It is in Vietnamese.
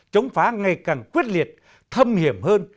chống phá ngày càng quyết liệt thâm hiểm hơn